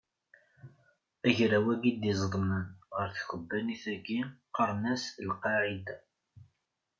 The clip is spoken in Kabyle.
Agraw-agi i d-izedmen ɣer tkebbanit-agi qqaren-asen Al qqaɛida.